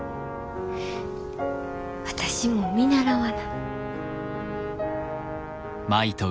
私も見習わな。